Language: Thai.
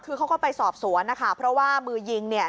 คือเขาก็ไปสอบสวนนะคะเพราะว่ามือยิงเนี่ย